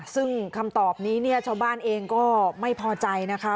ซึ่งคำตอบนี้เนี่ยชาวบ้านเองก็ไม่พอใจนะคะ